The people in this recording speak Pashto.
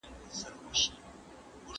د روسیې استازی په کابل کي اوسېده.